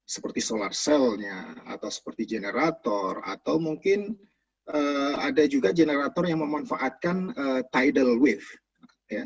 seperti solar cellnya atau seperti generator atau mungkin ada juga generator yang memanfaatkan tidal wave